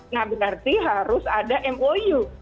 nah berarti harus ada mou